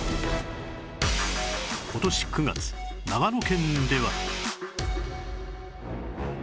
今年９月長野県では